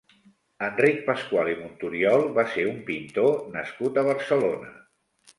Enric Pascual i Monturiol va ser un pintor nascut a Barcelona.